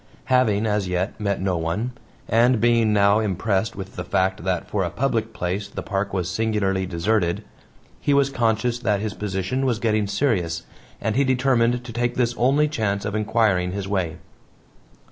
Having, as yet, met no one, and being now impressed with the fact that for a public place the park was singularly deserted, he was conscious that his position was getting serious, and he determined to take this only chance of inquiring his way.